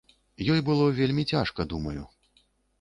Ёй было вельмі цяжка, думаю.